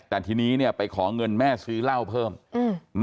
แต่ทีนี้เนี้ยไปขอเงินแม่ซื้อเหล้าเพิ่มอืม